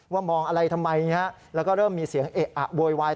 มองอะไรทำไมฮะแล้วก็เริ่มมีเสียงเอะอะโวยวาย